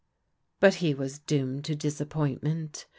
But he was doomed to disappointment.